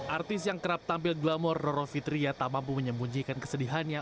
artis yang kerap tampil glamor roro fitria tak mampu menyembunyikan kesedihannya